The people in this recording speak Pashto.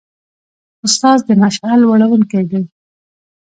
استاد د مشعل وړونکی دی.